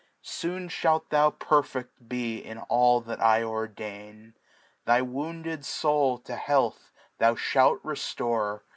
Soon ihdt thou perfed be in all that I ordain. Thy wounded Soul to Health thou fhalt reftore.